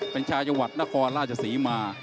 เป็นชาวจังหวัดนครราชศรีมา